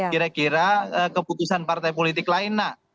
kira kira keputusan partai politik lain nak